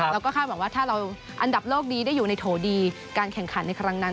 คาดหวังว่าถ้าเราอันดับโลกดีได้อยู่ในโถดีการแข่งขันในครั้งนั้น